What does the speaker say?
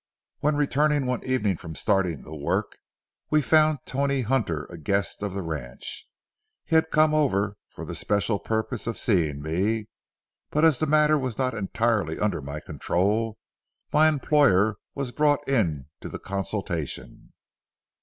When returning one evening from starting the work, we found Tony Hunter a guest of the ranch. He had come over for the special purpose of seeing me, but as the matter was not entirely under my control, my employer was brought into the consultation.